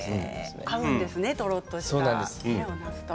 合うんですねとろっとした、おなすと。